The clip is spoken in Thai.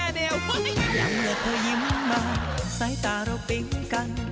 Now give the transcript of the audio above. อยากเหลือเธอยิ้มมาใส่ตาเราปิ๊งกัน